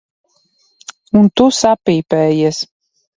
Un tu sapīpējies.